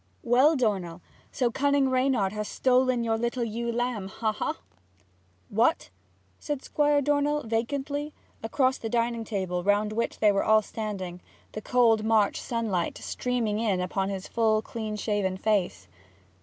'Well, Dornell so cunning Reynard has stolen your little ewe lamb? Ha, ha!' 'What?' said Squire Dornell vacantly, across the dining table, round which they were all standing, the cold March sunlight streaming in upon his full clean shaven face.